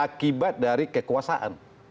akibat dari kekuasaan